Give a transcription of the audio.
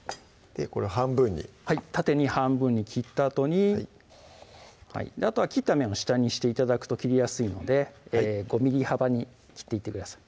これを半分にはい縦に半分に切ったあとにあとは切った面を下にして頂くと切りやすいので５ｍｍ幅に切っていってください